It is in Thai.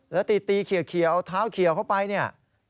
แล้วตีเขียวเอาเท้าเขียวเข้าไปเนี่ย